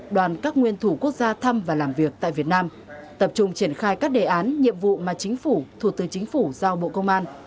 đoàn các nguyên thủ quốc gia thăm và làm việc tại việt nam tập trung triển khai các đề án nhiệm vụ mà chính phủ thủ tư chính phủ giao bộ công an